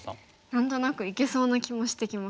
何となくいけそうな気もしてきます。